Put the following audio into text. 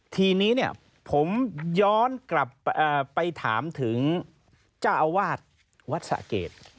ทีนี้ผมย้อนกลับไปถามถึงเจ้าวาดวัดสะเกต